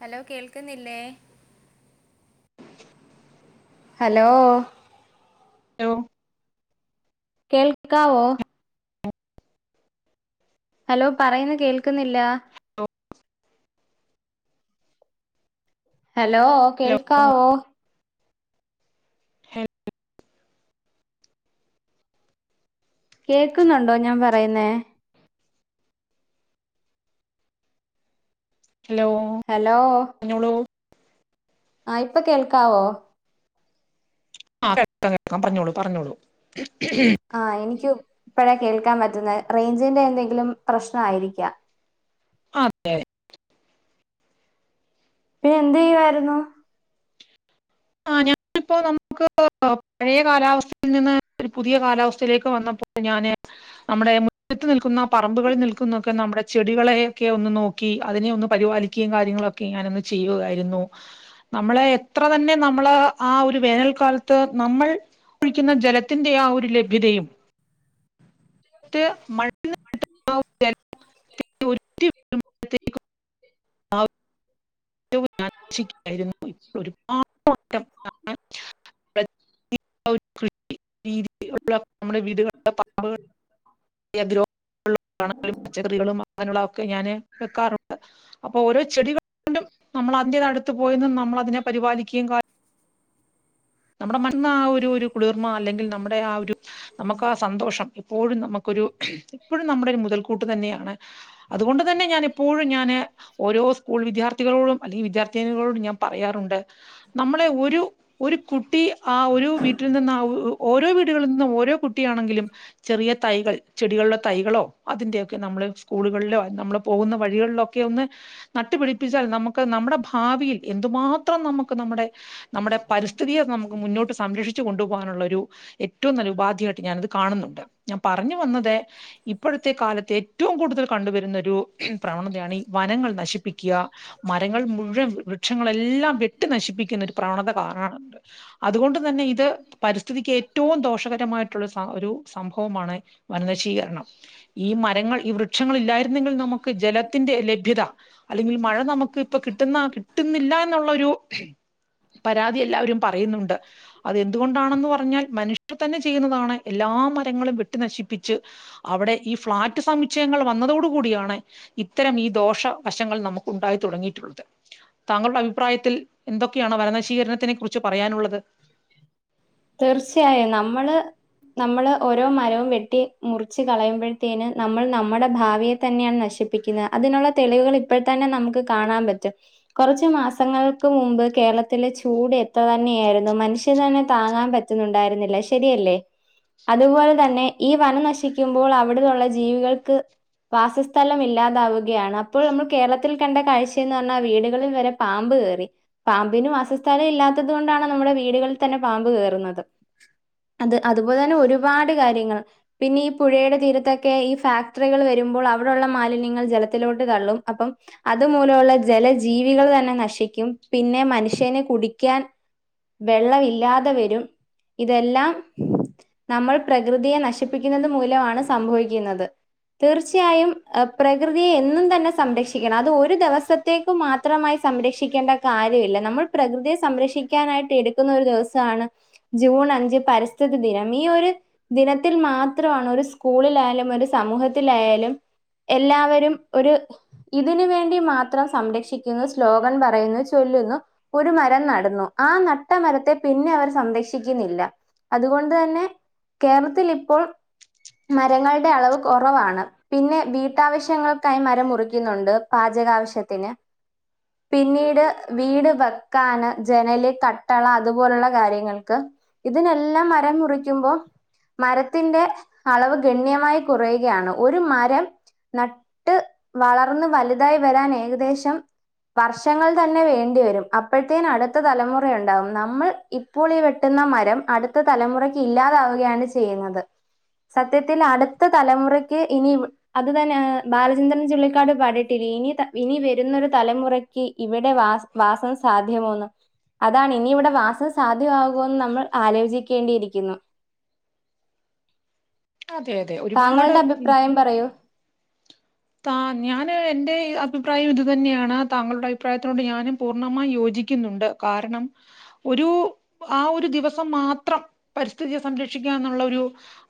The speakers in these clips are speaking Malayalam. ഹലോ കേൾക്കുന്നില്ലേ ഹലോ ഹലോ കേൾക്കാവോ ഹലോ പറയുന്ന കേൾക്കുന്നില്ല ഹലോ കേൾക്കാവോ ഹലോ കേക്കുന്നുണ്ടോ ഞാൻ പറയുന്നേ? ഹലോ ഹലോ പറഞ്ഞോളൂ ആഹ് ഇപ്പൊ കേൾക്കാവോ? ആഹ് ഇപ്പ കേൾക്കാ പറഞ്ഞോളൂ പറഞ്ഞോളൂ ആഹ് എനിക്കും ഇപ്പഴാ കേൾക്കാൻ പറ്റുന്നത് റേഞ്ചിന്റെ എന്തെങ്കിലും പ്രശ്നം ആയിരിക്കാ ആതന്നെ പിന്നെ എന്ത് ചെയ്യുവായിരുന്നു ഇപ്പോ നമുക്ക് പഴയ കാലാവസ്ഥയിൽ നിന്ന് ഒരു പുതിയ കാലാവസ്ഥയിലേക്ക് വന്നപ്പോൾ ഞാന് നമ്മുടെ മുറ്റത്ത് നിൽക്കുന്ന പറമ്പുകളിൽ നിൽക്കുന്നൊക്കെ നമ്മുടെ ചെടികളെ ഒക്കെ ഒന്ന് നോക് ക്കി അതിനെ ഒന്ന് പരിപാലിക്കുകയും കാര്യങ്ങളൊക്കെ ഞാൻ ഒന്ന് ചെയ്യുവായായിരുന്നു നമ്മളെ എത്ര തന്നെ നമ്മള് ആ ഒരു വേനൽക്കാലത്ത് നമ്മൾ ഒഴിക്കുന്ന ജലത്തിന്റെ ആ ഒരു ലഭ്യതയും ട്ട് മണ്ണ് [unintelligible] ഔ ഏറ്റവും ഞാൻച്ചിക്കായിരുന്നു പോയി ഒരുപാട് മൊത്തം മാം രീതി നമ്മുടെ വീടുകളിലോ പറമ്പക്കാ ളിലോ ഗ്രും പച്ചക്കറികളും അങ്ങനെയുള്ളത് ഒക്കെ ഞാന് വെക്കാറുണ്ട്. അപ്പൊ ഓരോ ചെടികൾ കൊണ്ടും നമ്മൾ അതിന്റെ അടുത്ത് പോയിനിന്ന് നമ്മൾ അതിനെ പരിപാലിക്കുകയും ക നമ്മുടെ മണ്ണ് ആഹ് ഒരു ഒരു കുളിർമ അല്ലെങ്കിൽ നമ്മുടെ ആഹ് ഒരു നമുക്ക് ആഹ് സന്തോഷം ഇപ്പോഴും നമുക്കൊരു ഇപ്പോഴും നമ്മുടെ ഒരു മുതൽക്കൂട്ട് തന്നെയാണ്. അതുകൊണ്ട് തന്നെ ഞാൻ എപ്പോഴും ഞാൻ. ഓരോ സ്കൂൾ വിദ്യാർത്ഥികളോടും അല്ലെങ്കിൽ വിദ്യാർത്ഥിനികളോടുംഞാൻ പറയാറുണ്ട്. നമ്മളെ ഒരു ഒരു കുട്ടി ആഹ് ഒരു വീട്ടിൽ നിന്ന് ആഹ് ഓരോ വീടുകളിൽ നിന്ന് ഓരോ കുട്ടിയാണെങ്കിലും. ചെറിയ തൈകൾ ചെടികളിലെ തൈകളോ അതിന്റെയൊക്കെ നമ്മള് സ്കൂളുകളിലോ നമ്മള് പോകുന്ന വഴികളിലൊ ക്കെ ഒന്ന് നട്ടുപിടിപ്പിച്ചാൽ നമുക്ക് നമ്മുടെ പ ഭാവിയിൽ എന്തുമാത്രം നമുക്ക് നമ്മുടെ നമ്മുടെ പരിസ്ഥി സ്ത്രീയെ നമുക്ക് മുന്നോട്ട് സംരക്ഷിച്ചു കൊണ്ടുപകാനുള്ള ഒരു ഏറ്റവും നല്ല ഉപാധിയായിട്ട് ഞാനത് കാണുന്നുണ്ട് ഞാൻ പറഞ്ഞു വന്നത്. ഇപ്പോഴത്തെ കാലത്ത് ഏറ്റവും കൂടുതൽ കണ്ടുവരുന്ന ഒരു പ്രവണതയാണ് ഈ വനങ്ങൾ നശിപ്പിക്ക. മരങ്ങൾ മുഴുവൻ വൃക്ഷങ്ങളെല്ലാം വെട്ടി നശിപ്പിക്കുന്ന ഒരു പ്രവണത കാണറ്ട് അതുകൊണ്ട് തന്നെ ഇത് പരിസ്ഥിതിക്ക് ഏറ്റവും ദോഷകരമായിട്ടുള്ള ഒരു സംഭവമാണ് വനനശീകരണം ഈ മരങ്ങൾ ഈ വൃക്ഷങ്ങൾ ഇല്ലായിരുന്നെങ്കിൽ നമുക്ക് ജല ത്തിന്റെ ലഭ്യത അല്ലെങ്കിൽ മഴ നമുക്ക് ഇപ്പൊ കിട്ടുന്ന കിട്ടുന്നില്ല എന്നുള്ളഒരു. പരാതി എല്ലാവരും പറയുന്നുണ്ട്. അതെന്തുകൊണ്ടാണെന്ന് പറഞ്ഞാൽ മനുഷ്യർ തന്നെ ചെയ്യുന്നതാണ് എല്ലാ മരങ്ങളും വെട്ടി നശിപ്പിച്ച്. അവിടെ ഈ ഫ്ളാറ്റ് സമുച്ചയങ്ങൾ വന്നതോടു കൂടിയാണ് ഇത്തരം ഈ ദോഷ വശങ്ങൾ നമുക്ക് ഉണ്ടായി തുടങ്ങിയിട്ടുള്ളത് താങ്കളുടെ അഭിപ്രായത്തിൽ എന്തൊക്കെയാണ് വനശീകരണത്തിനെ കുറി ച്ച് പറയാനുള്ളത്. തീർച്ചയായും നമ്മള്. നമ്മള് ഓരോ മരവും വെട്ടി മുറച്ച് കളയുമ്പോഴത്തേന് നമ്മൾ നമ്മുടെ ഭാവിയെ തന്നെയാണ് നശിപ്പ പ്പിക്കുന്നത് അതിനുള്ള തെളിവുകൾ ഇപ്പോഴ തന്നെ നമുക്ക് കാണാൻ പറ്റും. കുറച്ച് മാസങ്ങൾക്ക് മുമ്പ് കേരളത്തിലെ ചൂട് എത്ര തന്നെയായിരുന്നു. മനുഷ്യൻ തന്നെ താങ്ങാൻ പറ്റുന്നുണ്ടായിരുന്നില്ല ശരിയല്ലേ? അതുപോലെ തന്നെ ഈ വനം നശിക്കുമ്പോൾ അവിടുന്നുള്ള ജീവികൾക്ക്. വാസസ്ഥലം ഇല്ലാതാവുകയാണ്. അപ്പോൾ നമ്മൾ കേരളത്തിൽ കണ്ട കാഴ്ചയന്ന് പറഞ്ഞാൽ വീടുകളിൽ വരെ പാമ്പ് കേറി പാമ്പിനും വാസസ്ഥലം ഇല്ലാത്തത് കൊണ്ടാണ് നമ്മുടെ വീടുകളിൽ തന്നെ പാമ്പ് കേറുന്നത് അത് അതുപോലെ തന്നെ ഒരുപാട് കാര്യങ്ങൾ. പിന്നീ പുഴയുടെ തീരത്തൊക്കെ ഈ ഫാക്ടറികൾ വരുമ്പോൾ അവിടുള്ള മാലിന്യങ്ങൾ ജലത്തിലോട്ട് തള്ളും. അപ്പം അതുമൂലമുള്ള ജല ജീവികൾ തന്നെ നശിക്കും പിന്നെ മനുഷ്യന് കുടിക്കാൻ. വെള്ളം ഇല്ലാതെ വരും. ഇതെല്ലാം നമ്മൾ പ്രകൃതിയെ നശിപ്പിക്കുന്നത് മൂലവാണ് സംഭവിക്കുന്നത്. തീർച്ചയായും എ പ്രകൃതിയെ എന്നും തന്നെ സംരക്ഷിക്കണം അത് ഒരു ദിവസ ത്തെക്ക് മാത്രമായി സംരക്ഷിക്കേണ്ട കാര്യമില്ല. നമ്മൾ പ്രകൃതിയെ സംരക്ഷിക്കാനായിട്ട് എടുക്കുന്നോരു ദിവസ ട്ടാണ് ജൂൺ അഞ്ച് പരിസ്ഥിതി ദിനം. ഈ ഒര് ദിനത്തിൽ മാത്രമാണ് ഒരു സ്കൂളിലായാലും ഒരു സമൂഹത്തിലായാലും. എല്ലാവരും ഒര്. ഇതിന് വേണ്ടി മാത്രം സംരക്ഷിക്കുന്ന ശ്ലോകം പറയുന്നു ചൊല്ലുനു ഒരു മരം നടന്നു ആ നട്ട മരത്തെ പിന്നെ അവർ സംരക്ഷിക്കുന്നില്ല അതുകൊണ്ട് തന്നെ കേരളത്തിലി ഇപ്പോൾ മരങ്ങളുടെ അളവ് കൊറവാണ് പിന്നെ വീട്ടാവശ്യങ്ങൾക്കായി മരം മുറിക്കുന്നുണ്ട് പാചകാവശ്യത്തിന് പിന്നീട് വീട് വെക്കാന് ജനല് കട്ടള അതുപോലുള്ള കാര്യങ്ങൾക്ക് ഇതിനെല്ലാം മരം മുറിക്കുമ്പോ മരത്തിന്റെ അളവ് ഗണ്യമായി കുറയുകയാണ് ഒരു മരം നട്ട് വളർന്ന് വലുതായി വരാൻ ഏകദേശം വർഷങ്ങൾ തന്നെ വേണ്ടിവരും അപ്പോഴത്തേന് അടുത്ത തലമുറയുണ്ടാവും നമ്മൾ ഇപ്പോൾ ഈ വെട്ടുന്ന മരം അടുത്ത തലമുറക്ക് ഇല്ലാതാവുകയാണ് ചെയ്യുന്നത് സത്യത്തിൽ അടുത്ത തലമുറക്ക് ഇനി വെ അത് തന്നെ ബാലചന്ദ്രൻ ചുള്ളിക്കാട് പാടീട്ടിലിനി ഇനി വരുന്നൊരു തലമുറ ക്കി ഇവിടെ വാ വാസം സാധ്യമോന്ന് അതാണ് ഇനിവിടെ വാസം സാധ്യമാകോന്ന് നമ്മൾ ആലോചിക്കേണ്ടിയിരിക്കുന്നു അതെ അതെ ഒരുപാട് താങ്കളുടെ അഭിപ്രായം പറയൂ താ ഞാന് എൻറെ അഭിപ്രായം ഇതു തന്നെയാണ് താങ്കളുടെ അഭിപ്രായത്തിനോട് ഞാനും പൂർണ്ണമായി യോജിക്കുന്നുണ്ട് കാരണം ഒരു ആ ഒരു ദിവസം മാത്രം പരിസ്ഥിതിയെ സംരക്ഷിക്കാന്നുള്ളൊരു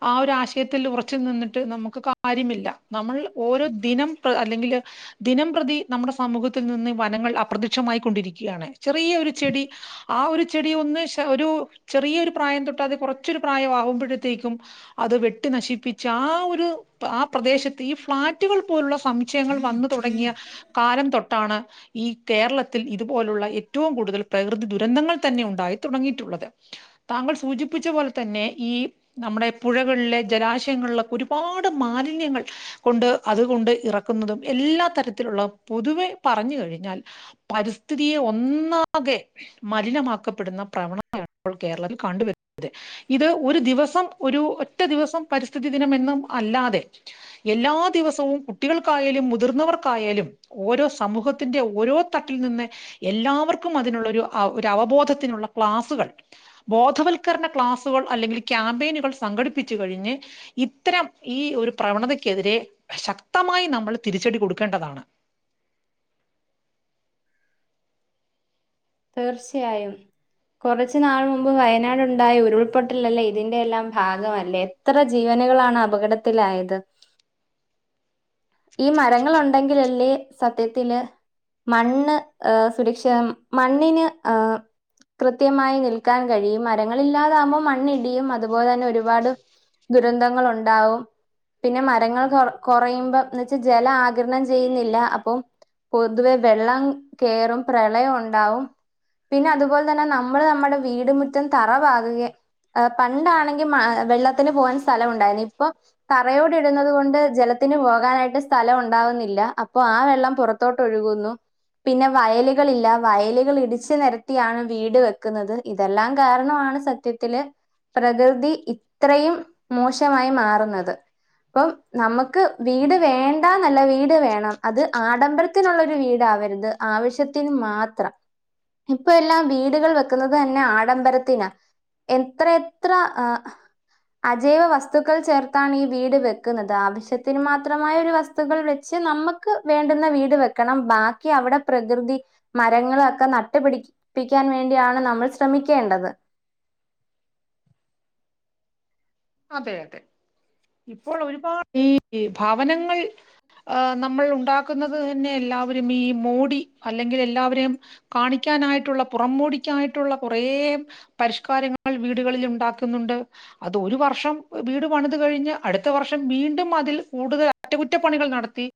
ആ ഒരാശയത്തിൽ ഉറച്ച് നിന്നിട്ട് നമുക്ക് കാര്യമില്ല നമ്മൾ ഓരോ ദിനം പ്ര് അല്ലെങ്കില് ദിനം പ്രതി നമ്മുടെ സമൂഹത്തിൽ നിന്ന് വനങ്ങൾ അപ്രത്യക്ഷമായിക്കൊണ്ടിരിക്കയാണ് ചെറിയൊരു ചെടി ആ ഒരു ചെടി ഒന്ന് ശ ഒരു ചെറിയൊരു പ്രായം തൊട്ട് അത് കുറച്ചൊരു പ്രായം ആകുമ്പൊഴത്തേക്കും അത് വെട്ടി നശിപ്പിച്ച ആ ഒരു ആ പ്രദേശത്ത് ഈ ഫ്ളാ റ്റ്കൾ പോലുള്ള സംമുച്ഛയങ്ങൾ വന്ന് തുടങ്ങിയ കാലം തൊട്ടാണ് ഈ കേരളത്തിൽ ഇതുപോലുള്ള ഏറ്റവും കൂടുതൽ പ്രകൃതി ദുരന്തങ്ങൾ തന്നെ ഉണ്ടായി തുടങ്ങിയിട്ടുള്ളത് താങ്കൾ സൂചിപ്പിച്ച പോലെ തന്നെ ഈ നമ്മുടെ പുഴകളിലെ ജലാശയങ്ങളിലൊക്കെ ഒരുപാട് മാലിന്യങ്ങൾ കൊണ്ട് അതുകൊണ്ട് ഇറക്കുന്നതും എല്ലാ തരത്തിലുള്ള പൊതുവെ പറഞ്ഞു കഴിഞ്ഞാൽ പരിസ്ഥിതിയെ ഒന്നാകെ മലിനമാക്കപ്പെടുന്ന പ്രവണതയാണ് ഇപ്പോൾ കേരളത്തിൽ കണ്ടുവരുന്നത് ഇത് ഒരു ദിവസം ഒരു ഒറ്റ ദിവസം പരിസ്ഥിതി ദിനമെന്നും അല്ലാതെ എല്ലാ ദിവസവും കുട്ടികൾക്കായാലും മുതിർന്നവർക്കായാലും ഓരോ സമൂഹത്തിന്റെ ഓരോ തട്ടിൽ നിന്ന് എല്ലാവർക്കും അതിനുള്ളൊരു ഒരവബോധത്തിനുള്ള ക്ലാസുകൾ ബോധവൽക്കരണ ക്ലാസുകൾ അല്ലെങ്കിൽ ക്യാമ്പയിനുകൾ സംഘടിപ്പിച്ചു കഴിഞ്ഞ് ഇത്തരം ഈ ഒരു പ്രവണതക്കെതിരെ ശക്തമായി നമ്മൾ തിരിച്ചടി കൊടുക്കേണ്ടതാണ് തീർച്ചയായും കുറച്ച് നാൾ മുമ്പ് വയനാട് ഉണ്ടായ ഉരുൾപൊട്ടലല്ലേ ഇതിന്റെഎല്ലാം ഭാഗമല്ലേ എത്ര ജീവനുകളാണ് അപകടത്തിലായത് ഈ മരങ്ങൾ ഉണ്ടെങ്കിലല്ലേ സത്യത്തില് മണ്ണ് ഏഹ് സുരക്ഷിതം മണ്ണിന് ആഹ് കൃത്യമായി നിൽക്കാൻ കഴിയും മരങ്ങളില്ലാതാകുമോൾ മണ്ണിടിയും അതുപോലെ തന്നെ ഒരുപാട് ദുരന്തങ്ങളുണ്ടാവും പിന്നെ മരങ്ങൾ കൊ കുറയുമ്പോ എന്നന്ന് വച്ചാ ജലം ആകിരണം ചെയ്യുന്നില്ല അപ്പം പൊതുവെ വെള്ളം കേറും പ്രളയം ഉണ്ടാവും പിന്നെ അതുപോലെ തന്നെ നമ്മൾ നമ്മുടെ വീടു മുറ്റും തറ പാകുകെ പണ്ടാണെങ്കിൽ വെള്ളത്തിന് പോകാൻ സ്ഥലം ഉണ്ടായിരുന്നു ഇപ്പൊ തറയോട് ഇടുന്നത് കൊണ്ട് ജലത്തിന് പോകാനായിട്ട് സ്ഥലം ഉണ്ടാവുന്നില്ല അപ്പൊ ആ വെള്ളം പുറത്ത് തോട്ടൊഴുകുന്നു പിന്നെ വയലുകൾ ഇല്ലാ വയലുകൾ ഇടിച്ച് നിരത്തിയാണ് വീട് വെക്കുന്നത് ഇതെല്ലാം കാരണമാണ് സത്യത്തില് പ്രകൃതി ഇത്രയും മോശമായി മാറുന്നത് ഇപ്പം നമുക്ക് വീട് വേണ്ടാന്നല്ല വീട് വേണം അത് ആഡംബര ത്തിനുള്ളൊരു വീടാവരുത് ആവശ്യത്തിന് മാത്രം ത്രം ഇപ്പം എല്ലാം വീടുകൾ വെക്കുന്നത് തന്നെ ആഡംബരത്തിനാ എത്ര എത്ര ആഹ് അജൈവ വസ്തുക്കൾ ചേർത്താണ് ഈ വീട് വെക്കുന്നത് ആവശ്യത്തിന് മാത്രമായ ഒരു വസ് ത്തുകൾ വെച്ച് നമുക്ക് വേണ്ടുന്ന വീട് വെക്കണം ബാക്കി അവിടെ പ്രകൃതി മരങ്ങളൊക്കെ നട്ടുപിടിപ്പിക്കാൻ വേണ്ടിയാണ് നമ്മൾ ശ്രമിക്കേണ്ടത് അതെ അതെ ഇപ്പോൾ ഒരുപാട് ഈ ഭവനങ്ങൾ ആഹ്‌ നമ്മൾ ഉണ്ടാക്കുന്നത് തന്നെ എല്ലാവരും ഈ മോടി അല്ലെങ്കിൽ എല്ലാവരെയും കാണിക്കാനായിട്ടുള്ള പുറംമോടിക്കായിട്ടുള്ള കുറേ പരിഷ്കാരങ്ങൾ വീടുകളിൽ ഉണ്ടാക്കുന്നുണ്ട് അത് ഒരു വർഷം വർഷം വീട് പണിത് കഴിഞ്ഞ് അടുത്ത വർഷം വീണ്ടും അതിൽ കൂടുതൽ അറ്റകുറ്റപ്പണികൾ നടത്തി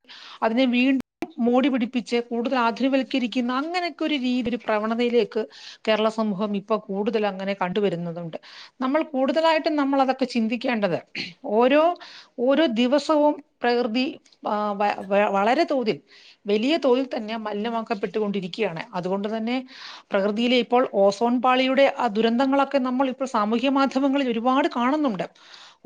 അതിനെ വീണ്ടും മോടിപിടിപ്പിച്ച് കൂടുതൽ ആധുവൽക്കരിക്കുന്ന അങ്ങനൊക്കെ ഒരു രീതി ഒരു പ്രവണതയിലേക്ക് കേരള സമൂഹം ഇപ്പൊ കൂടുതൽ അങ്ങനെ കണ്ടുവരുന്നതുണ്ട് നമ്മൾ കൂടുതലായിട്ടും നമ്മൾ അത് ഇപ്പോ ചിന്തിക്കേണ്ടത് ഓരോ ഓരോ ദിവസവും പ്രകൃതി ആഹ് വളരെ തോതിൽ വലിയ തോതിൽ തന്നെ മലിനമാക്കപ്പെട്ടുക കൊണ്ടിരിക്കുകയാണ് അതുകൊണ്ട് തന്നെ പ്രകൃതിയില് ഇപ്പോൾ ഓസോൺ പാളിയുടെ ആ ദുരന്തങ്ങളൊക്കെ നമ്മൾ ഇപ്പോൾ സാമൂഹ്യ മാധ്യമങ്ങളിൽ ഒരുപാട് കാണുന്നുണ്ട്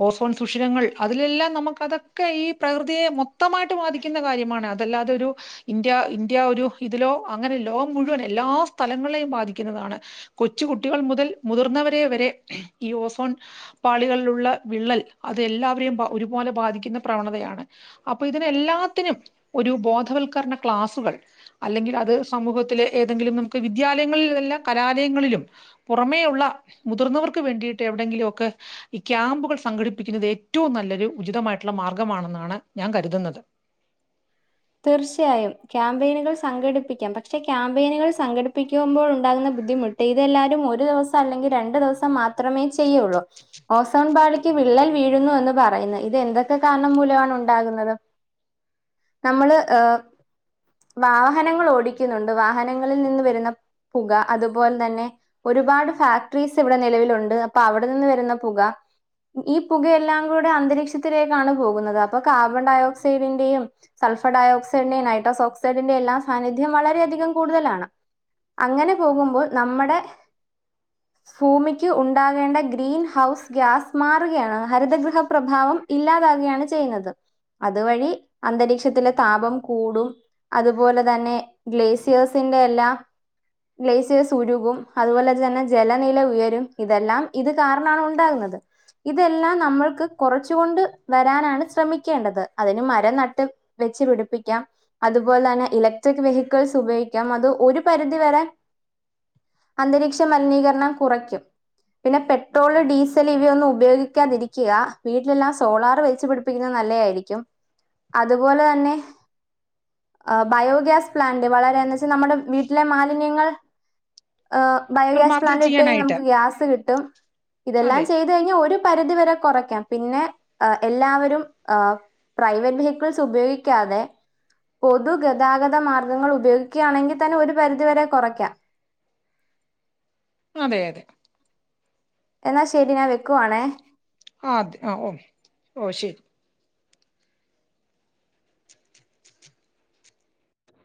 ഓസോൺ സുഷിരങ്ങൾ അതിലെല്ലാം നമുക്ക് അതൊക്കെ ഈ പ്രകൃതിയെ മൊത്തമായിട്ട് ബാധിക്കും ക്കുന്ന കാര്യമാണ് അതല്ലാതൊരു ഇന്ത്യ ഇന്ത്യ ഒരു ഇതിലോ അങ്ങനെ ലോകം മുഴുവൻ എല്ലാ സ്ഥലങ്ങളെയും ബാധിക്കുന്നതാണ് കൊച്ചുകുട്ടികൾ മുതൽ മുതിർന്നവരെ വരെ ഈ ഓസോൺ പാളികളിലുള്ള വിള്ളൽ അത് എല്ലാവരെയും ഒരുപോലെ ബാധിക്കുന്ന പ്രവണതയാണ് അപ്പൊ ഇതിനെ എല്ലാത്തിനും ഒരു ബോധവൽക്കരണ ക്ലാസുകൾ അല്ലെങ്കിൽ അത് സമൂഹത്തിലെ ഏതെങ്കിലും നമുക്ക് വിദ്യാലയങ്ങളിൽല്ല കലാലയങ്ങളിലും പുറമേയുള്ള മുതിർന്നവർക്ക് വേണ്ടിയിട്ട് എവിടെങ്കിലുമൊക്കെ ഈ ക്യാമ്പുകൾ സംഘടിപ്പിക്കുന്നത് ഏറ്റവും നല്ലൊരു ഉചിതമായിട്ടുള്ള മാർഗമാണെന്നാണ് ഞാൻ കരുതുന്നത് തീർച്ചയായും ക്യാമ്പയിനുകൾ സംഘടിപ്പിക്കാം പക്ഷെ ക്യാമ്പയിനുകൾ സംഘടിപ്പിക്കുമ്പോൾ ഉണ്ടാകുന്ന ബുദ്ധിമുട്ട് ഇതെല്ലാരും ഒരു ദിവസം അല്ലെങ്കിൽ രണ്ടു ദിവസം മാത്രമേ ചെയ്യുള്ളൂ ഓസോൺ പാളിക്ക് വിള്ളൽ വീഴുന്നു എന്ന് പറയുന്നത് ഇത് എന്തൊക്കെ കാരണം മൂലമാണ് ഉണ്ടാകുന്നത് നമ്മള് ഏഹ് വാഹനങ്ങൾ ഓടിക്കുന്നുണ്ട് വാഹനങ്ങളിൽ നിന്ന് വരുന്ന പുക അതുപോലെ തന്നെ ഒരുപാട് ഫാക്ടറീസ് ഇവിടെ നിലവിലുണ്ട് അപ്പൊ അവിടെ നിന്ന് വരുന്ന പുക ഈ പുകയെല്ലാം കൂടെ അന്തരീക്ഷത്തിലേക്കാണ് പോകുന്നത് അപ്പൊ കാർബൺ ഡയോക്സൈഡിന്റെയും സൾഫർ ഡയോക്സൈഡിന്റെയും, നൈട്രോസക്സൈഡിന്റെ എല്ലാം സാന്നിധ്യം വളരെയികം കൂടുതലാണ് അങ്ങനെ പോകുമ്പോൾ നമ്മടെ ഭൂമിക്ക് ഉണ്ടാകേണ്ട ഗ്രീൻ ഹൗസ് ഗ്യാസ് മാറുകയാണ് ഹരിതഗൃഹ പ്രഭാവം ഇല്ലാത ആകുകയാണ് ചെയ്യുന്നത് അതുവഴി അന്തരീക്ഷ ത്തിത്തിലെ താപം കൂടും അതുപോലെ തന്നെ ഗ്ലസിയേഴ്സിന്റെ എല്ലാം ലേസിയ്സ് ഉരുവും അതുപോലെ തന്നെ ജലനില ഉയരും ഇതെല്ലാം ഇത് കാരണാണ് ഉണ്ടാകുന്നത് ഇതെല്ലാം നമ്മൾക്ക് കൊറച്ച് കൊണ്ട് വരാനാണ് ശ്രമിക്കേണ്ടത് അതിന് മരം നട്ട് വെച്ച് പിടിപ്പിക്കാം അതുപോലെ ആണ് ഇലക്ട്രിക് വെഹിക്കിൾസ് ഉപയോഗിക്കാം അത് ഒരു പരിധി വരെ അന്തരീക്ഷ മലിനീകരണം കുറയ്ക്കും പിന്നെ പെട്രോള് ഡീസൽ ഇവയൊന്നും ഉപയോഗിക്കാതിരിക്കുക വീട്ടില് എല്ലാം സോളാർ വെച്ചു പിടി പ്പിക്കുന്നെ നല്ലയായിരിക്കും അതുപോലെ അന്നെ ആഹ് ബയോഗ്യാസ് പ്ലാന്റ് വളരാന് ത് നമ്മുടെ വീട്ടിലെ മാലിന്യങ്ങൾ ഏ ബയോഗ്യാസ് മാർജർ പ്ലാന്റ് ഇട്ട് കഴിഞ്ഞാൽ ചെയ്യാനായിട്ട് നമുക്ക് ഗ്യാസ് കിട്ടും ഇതെല്ലാം അതെ ചെയ്ത് കഴിഞ്ഞാൽ ഒരു ഒരു പരിധി വരെ കൊറയ്ക്കാം പിന്നെ എ എല്ലാവരും ഏ പ്രൈവല്ലി പെൾസ് ഉപയോഗിക്കാതെ പൊതുഗതാഗത മാർഗ്ഗങ്ങൾ ഉപയോഗിക്കുക ആണെങ്കിൽ തന്നെ ഒരു പരിധിവരെ കൊറയ്ക്കാം അതെ അതെ എന്നാ ശരി ഞാ വെക്കുവാണേ ആഹ് അതെ ആഹ് ഓ ഓ ശരി